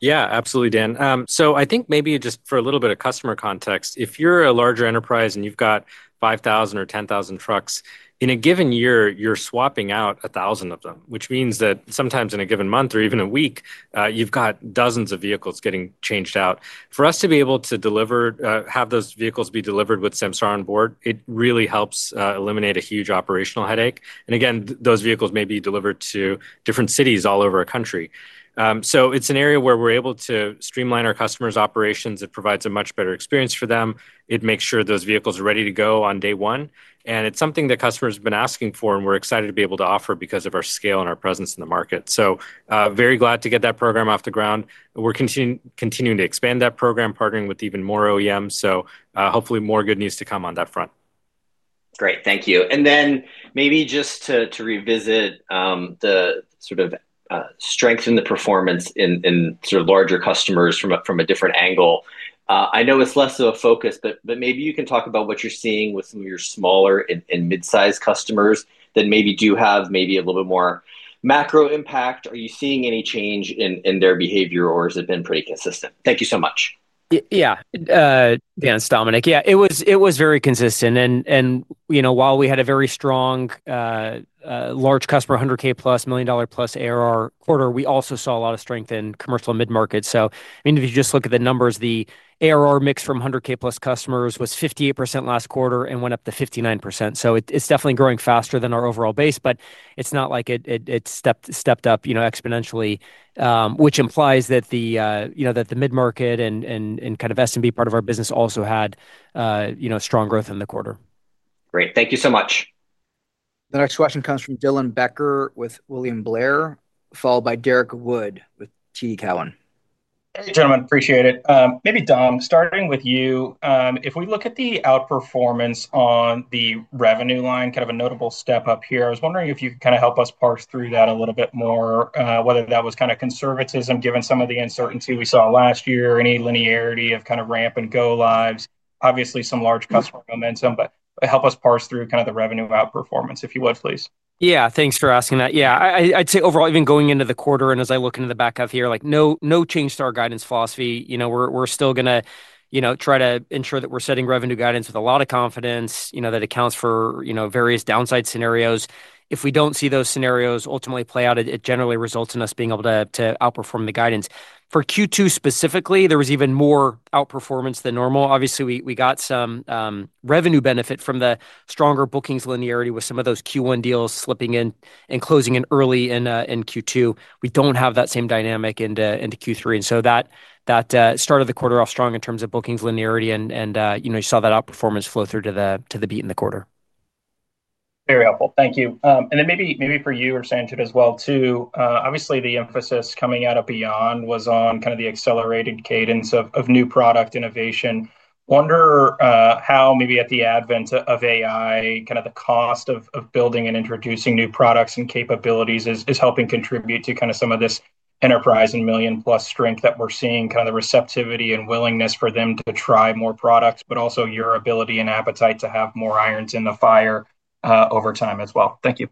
Yeah, absolutely, Dan. I think maybe just for a little bit of customer context, if you're a larger enterprise and you've got 5,000 or 10,000 trucks, in a given year, you're swapping out 1,000 of them, which means that sometimes in a given month or even a week, you've got dozens of vehicles getting changed out. For us to be able to deliver, have those vehicles be delivered with Samsara on board, it really helps eliminate a huge operational headache. Those vehicles may be delivered to different cities all over the country. It's an area where we're able to streamline our customers' operations. It provides a much better experience for them. It makes sure those vehicles are ready to go on day one. It's something that customers have been asking for, and we're excited to be able to offer because of our scale and our presence in the market. Very glad to get that program off the ground. We're continuing to expand that program, partnering with even more OEMs. Hopefully more good news to come on that front. Great, thank you. Maybe just to revisit the sort of strength in the performance in larger customers from a different angle. I know it's less of a focus, but maybe you can talk about what you're seeing with some of your smaller and mid-sized customers that maybe do have a little bit more macro impact. Are you seeing any change in their behavior, or has it been pretty consistent? Thank you so much. Yeah, thanks, Dominic. Yeah, it was very consistent. While we had a very strong large customer, $100,000+, million-dollar plus ARR quarter, we also saw a lot of strength in commercial mid-market. If you just look at the numbers, the ARR mix from $100,000+ customers was 58% last quarter and went up to 59%. It's definitely growing faster than our overall base, but it's not like it stepped up exponentially, which implies that the mid-market and kind of SMB part of our business also had strong growth in the quarter. Great, thank you so much. The next question comes from Dylan Becker with William Blair, followed by Derrick Wood with TD Cowen. Hey, gentlemen, appreciate it. Maybe Dom, starting with you, if we look at the outperformance on the revenue line, kind of a notable step up here. I was wondering if you could kind of help us parse through that a little bit more, whether that was kind of conservatism given some of the uncertainty we saw last year, any linearity of kind of ramp and go lives, obviously some large customer momentum. Help us parse through kind of the revenue outperformance, if you would, please. Yeah, thanks for asking that. I'd say overall, even going into the quarter, and as I look into the backup here, no change to our guidance philosophy. We're still going to try to ensure that we're setting revenue guidance with a lot of confidence, that accounts for various downside scenarios. If we don't see those scenarios ultimately play out, it generally results in us being able to outperform the guidance. For Q2 specifically, there was even more outperformance than normal. Obviously, we got some revenue benefit from the stronger bookings linearity with some of those Q1 deals slipping in and closing early in Q2. We don't have that same dynamic into Q3, and that started the quarter off strong in terms of bookings linearity. You saw that outperformance flow through to the beat in the quarter. Very helpful. Thank you. Maybe for you or Sanjit as well, obviously the emphasis coming out of Samsara Beyond was on the accelerated cadence of new product innovation. Wonder how at the advent of AI, the cost of building and introducing new products and capabilities is helping contribute to some of this enterprise and million plus strength that we're seeing, the receptivity and willingness for them to try more products, but also your ability and appetite to have more irons in the fire over time as well. Thank you.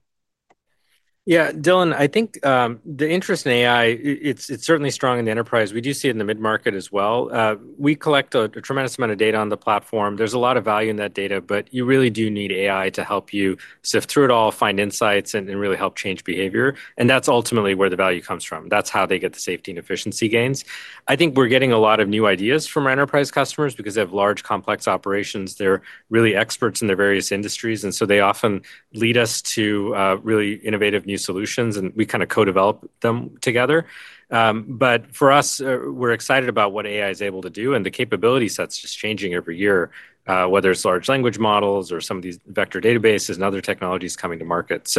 Yeah, Dylan, I think the interest in AI, it's certainly strong in the enterprise. We do see it in the mid-market as well. We collect a tremendous amount of data on the platform. There's a lot of value in that data, but you really do need AI to help you sift through it all, find insights, and really help change behavior. That's ultimately where the value comes from. That's how they get the safety and efficiency gains. I think we're getting a lot of new ideas from our enterprise customers because they have large, complex operations. They're really experts in their various industries. They often lead us to really innovative new solutions, and we kind of co-develop them together. For us, we're excited about what AI is able to do, and the capability sets just changing every year, whether it's large language models or some of these vector databases and other technologies coming to market.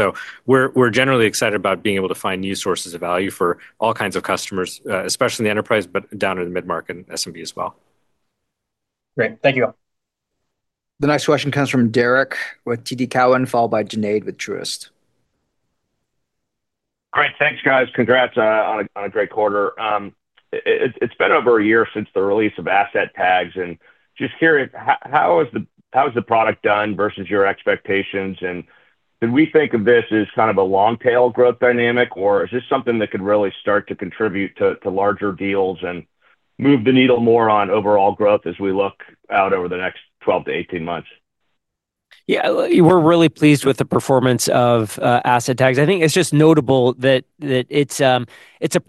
We're generally excited about being able to find new sources of value for all kinds of customers, especially in the enterprise, but down in the mid-market and SMB as well. Great, thank you all. The next question comes from Derrick with TD Cowen, followed by Junaid with Truist. All right, thanks guys. Congrats on a great quarter. It's been over a year since the release of asset tags, and just curious, how has the product done versus your expectations? Did we think of this as kind of a long-tail growth dynamic, or is this something that could really start to contribute to larger deals and move the needle more on overall growth as we look out over the next 12 to 18 months? Yeah, we're really pleased with the performance of asset tags. I think it's just notable that it's a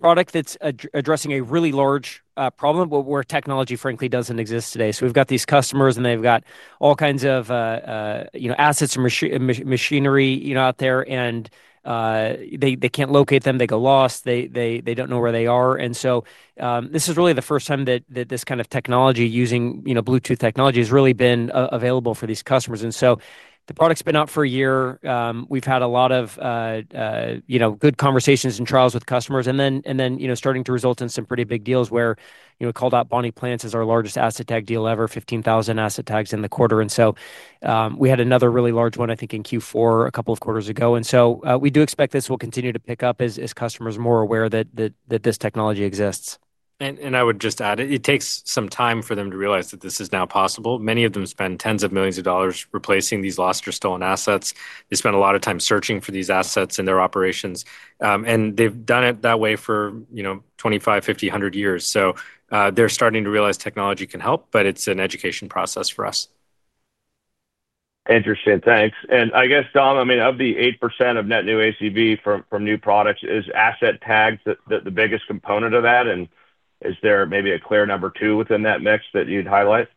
product that's addressing a really large problem, where technology, frankly, doesn't exist today. We've got these customers, and they've got all kinds of assets and machinery out there, and they can't locate them. They go lost. They don't know where they are. This is really the first time that this kind of technology, using Bluetooth technology, has really been available for these customers. The product's been out for a year. We've had a lot of good conversations and trials with customers, and it's starting to result in some pretty big deals where we called out Bonnie Plants as our largest asset tag deal ever, 15,000 asset tags in the quarter. We had another really large one, I think, in Q4 a couple of quarters ago. We do expect this will continue to pick up as customers are more aware that this technology exists. I would just add, it takes some time for them to realize that this is now possible. Many of them spend tens of millions of dollars replacing these lost or stolen assets. They spend a lot of time searching for these assets in their operations. They've done it that way for, you know, 25, 50, 100 years. They're starting to realize technology can help, but it's an education process for us. Interesting, thanks. I guess, Dom, of the 8% of net new ACV from new products, is asset tags the biggest component of that? Is there maybe a clear number two within that mix that you'd highlight?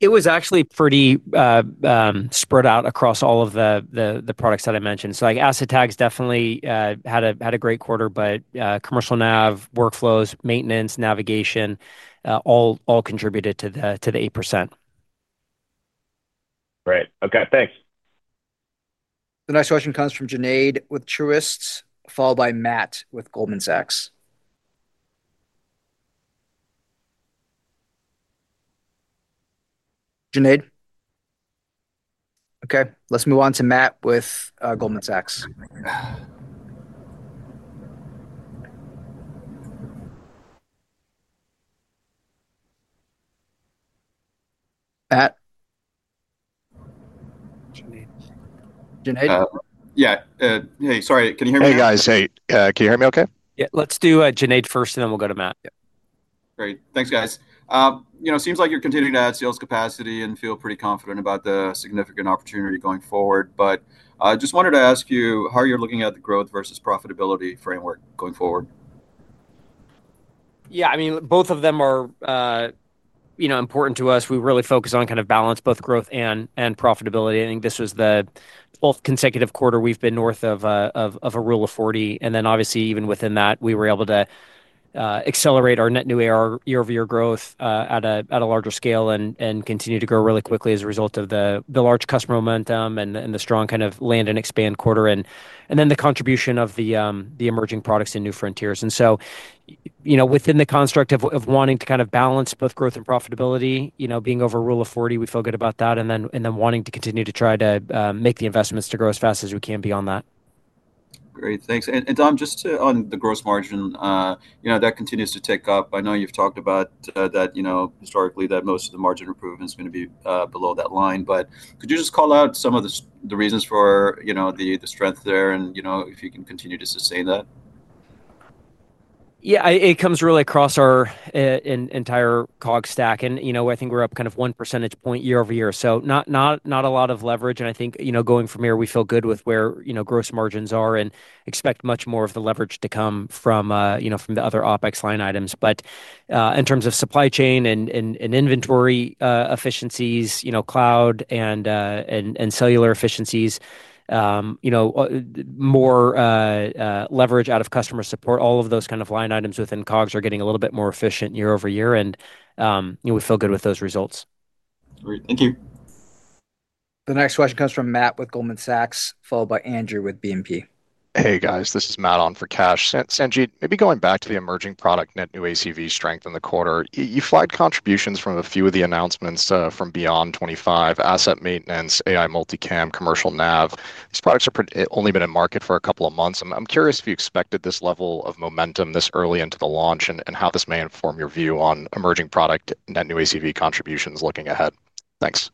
It was actually pretty spread out across all of the products that I mentioned. Asset tags definitely had a great quarter, but commercial navigation, workflows, maintenance, navigation all contributed to the 8%. Great, okay, thanks. The next question comes from Junaid with Truist, followed by Matt with Goldman Sachs. Junaid? Okay, let's move on to Matt with Goldman Sachs. Matt? Junaid? Yeah, sorry, can you hear me? Hey, guys, can you hear me okay? Yeah, let's do Junaid first, and then we'll go to Matt. Great, thanks, guys. It seems like you're continuing to add sales capacity and feel pretty confident about the significant opportunity going forward. I just wanted to ask you how you're looking at the growth versus profitability framework going forward. Yeah, I mean, both of them are, you know, important to us. We really focus on kind of balance both growth and profitability. I think this was the fourth consecutive quarter we've been north of a rule of 40. Obviously, even within that, we were able to accelerate our net new ARR year-over-year growth at a larger scale and continue to grow really quickly as a result of the large customer momentum and the strong kind of land and expand quarter and the contribution of the emerging products in new frontiers. Within the construct of wanting to kind of balance both growth and profitability, you know, being over a rule of 40, we feel good about that and then wanting to continue to try to make the investments to grow as fast as we can be on that. Great, thanks. Dom, just on the gross margin, that continues to tick up. I know you've talked about that historically, that most of the margin improvement is going to be below that line. Could you just call out some of the reasons for the strength there and if you can continue to sustain that? Yeah, it comes really across our entire COGS stack and, you know, I think we're up kind of 1% year-over-year. Not a lot of leverage and I think, you know, going from here, we feel good with where, you know, gross margins are and expect much more of the leverage to come from the other OpEx line items. In terms of supply chain and inventory efficiencies, cloud and cellular efficiencies, more leverage out of customer support, all of those kind of line items within COGS are getting a little bit more efficient year over year and, you know, we feel good with those results. Great, thank you. The next question comes from Matt with Goldman Sachs, followed by Andrew with BNP. Hey guys, this is Matt on for Cash. Sanjit, maybe going back to the emerging product net new ACV strength in the quarter, you flagged contributions from a few of the announcements from Samsara Beyond 2025, asset maintenance, AI multicam, commercial navigation. These products have only been in market for a couple of months. I'm curious if you expected this level of momentum this early into the launch and how this may inform your view on emerging product net new ACV contributions looking ahead. Thanks.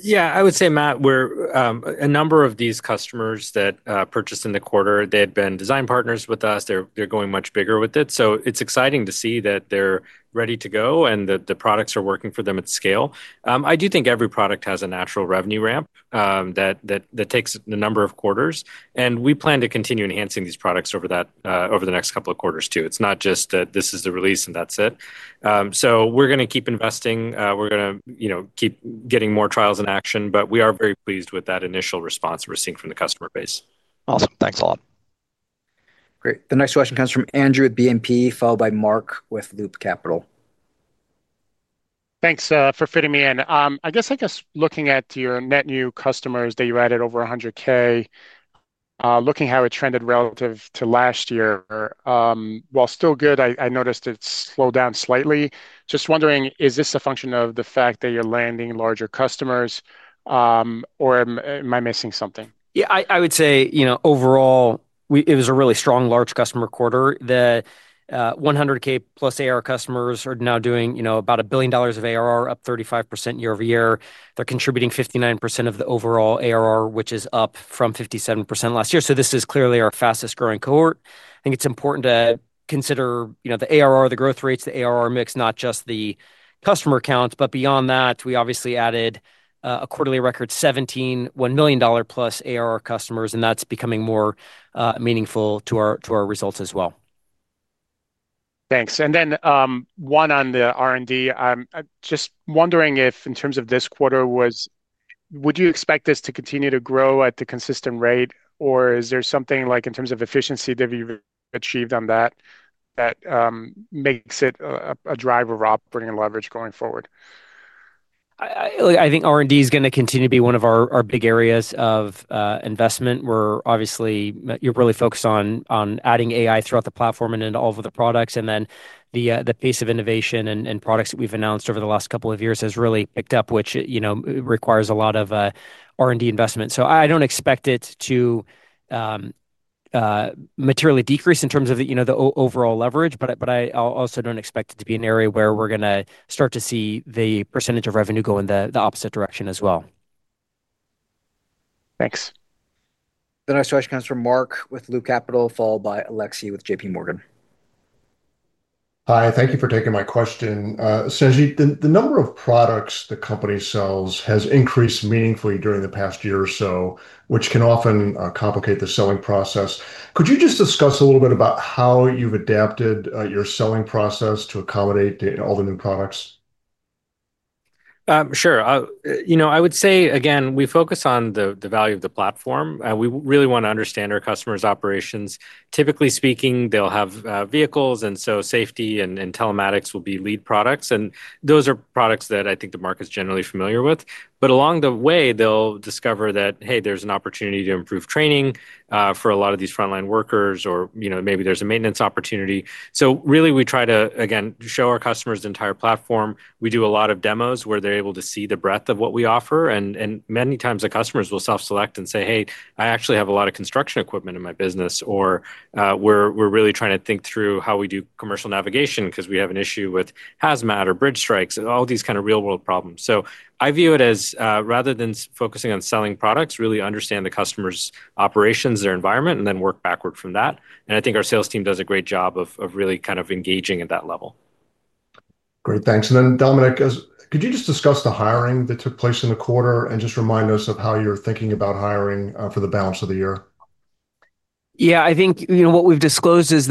Yeah, I would say, Matt, a number of these customers that purchased in the quarter, they've been design partners with us, they're going much bigger with it. It's exciting to see that they're ready to go and that the products are working for them at scale. I do think every product has a natural revenue ramp that takes a number of quarters, and we plan to continue enhancing these products over the next couple of quarters too. It's not just that this is the release and that's it. We are going to keep investing, we are going to keep getting more trials in action, but we are very pleased with that initial response we're seeing from the customer base. Awesome, thanks a lot. Great, the next question comes from Andrew at BNP, followed by Mark with Loop Capital. Thanks for fitting me in. I guess I'm just looking at your net new customers that you added over $100,000, looking at how it trended relative to last year. While still good, I noticed it's slowed down slightly. Just wondering, is this a function of the fact that you're landing larger customers or am I missing something? Yeah, I would say, you know, overall it was a really strong large customer quarter. The $100,000+ ARR customers are now doing, you know, about $1 billion of ARR, up 35% year-over-year. They're contributing 59% of the overall ARR, which is up from 57% last year. This is clearly our fastest growing cohort. I think it's important to consider, you know, the ARR, the growth rates, the ARR mix, not just the customer counts. Beyond that, we obviously added a quarterly record, 17 $1 million plus ARR customers, and that's becoming more meaningful to our results as well. Thanks. One on the R&D, I'm just wondering if in terms of this quarter, would you expect this to continue to grow at the consistent rate, or is there something like in terms of efficiency that we've achieved on that that makes it a driver of operating leverage going forward? I think R&D is going to continue to be one of our big areas of investment. We're obviously really focused on adding AI throughout the platform and into all of the products, and then the pace of innovation and products that we've announced over the last couple of years has really picked up, which requires a lot of R&D investment. I don't expect it to materially decrease in terms of the overall leverage, but I also don't expect it to be an area where we're going to start to see the percentage of revenue go in the opposite direction as well. Thanks. The next question comes from Mark with Loop Capital, followed by Alexi with JP Morgan. Hi, thank you for taking my question. Sanjit, the number of products the company sells has increased meaningfully during the past year or so, which can often complicate the selling process. Could you just discuss a little bit about how you've adapted your selling process to accommodate all the new products? Sure. I would say, again, we focus on the value of the platform. We really want to understand our customers' operations. Typically speaking, they'll have vehicles, and safety and telematics will be lead products. Those are products that I think the market's generally familiar with. Along the way, they'll discover that, hey, there's an opportunity to improve training for a lot of these frontline workers, or maybe there's a maintenance opportunity. We try to, again, show our customers the entire platform. We do a lot of demos where they're able to see the breadth of what we offer. Many times, the customers will self-select and say, hey, I actually have a lot of construction equipment in my business, or we're really trying to think through how we do commercial navigation because we have an issue with hazmat or Low Bridge Strikes, all these kind of real-world problems. I view it as, rather than focusing on selling products, really understand the customer's operations, their environment, and then work backward from that. I think our sales team does a great job of really kind of engaging at that level. Great, thanks. Dominic, could you just discuss the hiring that took place in the quarter and just remind us of how you're thinking about hiring for the balance of the year? I think, you know, what we've disclosed is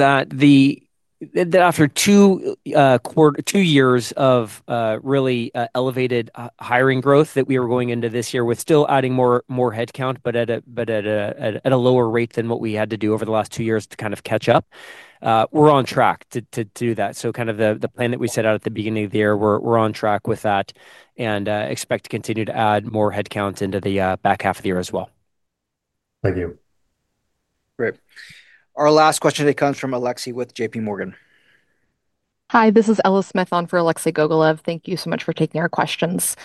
that after two years of really elevated hiring growth that we were going into this year with still adding more headcount, but at a lower rate than what we had to do over the last two years to kind of catch up. We're on track to do that. The plan that we set out at the beginning of the year, we're on track with that and expect to continue to add more headcount into the back half of the year as well. Thank you. Great. Our last question comes from Alexei with J.P. Morgan. Hi, this is Ella Smith on for Alexei Gogolev. Thank you so much for taking our questions.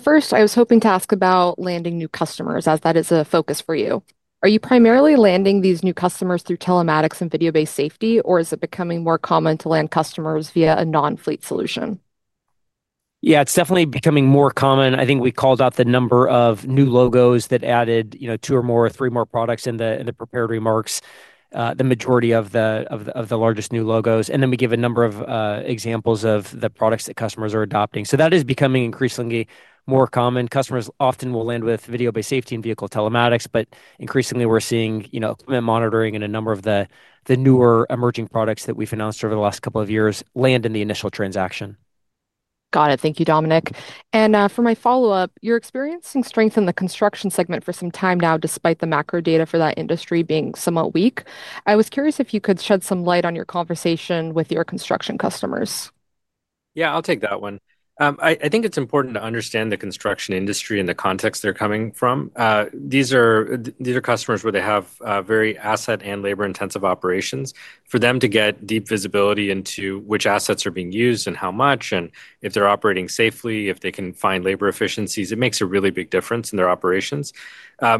First, I was hoping to ask about landing new customers as that is a focus for you. Are you primarily landing these new customers through telematics and video-based safety, or is it becoming more common to land customers via a non-fleet solution? Yeah, it's definitely becoming more common. I think we called out the number of new logos that added two or more or three more products in the prepared remarks, the majority of the largest new logos. We give a number of examples of the products that customers are adopting. That is becoming increasingly more common. Customers often will land with video-based safety and vehicle telematics, but increasingly we're seeing equipment monitoring and a number of the newer emerging products that we've announced over the last couple of years land in the initial transaction. Got it. Thank you, Dominic. For my follow-up, your experience and strength in the construction segment for some time now, despite the macro data for that industry being somewhat weak, I was curious if you could shed some light on your conversation with your construction customers. Yeah, I'll take that one. I think it's important to understand the construction industry and the context they're coming from. These are customers where they have very asset and labor-intensive operations. For them to get deep visibility into which assets are being used and how much, and if they're operating safely, if they can find labor efficiencies, it makes a really big difference in their operations.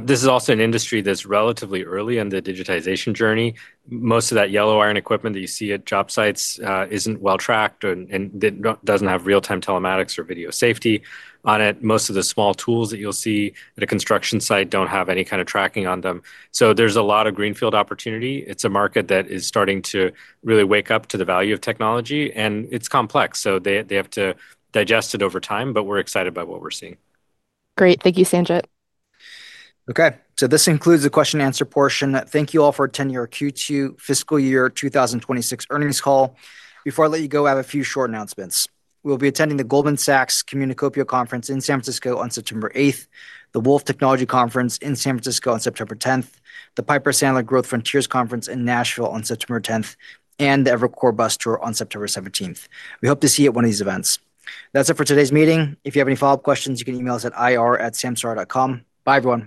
This is also an industry that's relatively early in the digitization journey. Most of that yellow iron equipment that you see at job sites isn't well tracked and doesn't have real-time telematics or video safety on it. Most of the small tools that you'll see at a construction site don't have any kind of tracking on them. There is a lot of greenfield opportunity. It's a market that is starting to really wake up to the value of technology, and it's complex. They have to digest it over time, but we're excited about what we're seeing. Great, thank you, Sanjit. Okay, this concludes the question and answer portion. Thank you all for attending our Q2 Fiscal Year 2026 Earnings Call. Before I let you go, I have a few short announcements. We'll be attending the Goldman Sachs Communicopia Conference in San Francisco on September 8th, the Wolf Technology Conference in San Francisco on September 10th, the Piper Sandler Growth Frontiers Conference in Nashville on September 10th, and the Evercore Bus Tour on September 17th. We hope to see you at one of these events. That's it for today's meeting. If you have any follow-up questions, you can email us at ir@samsara.com. Bye, everyone.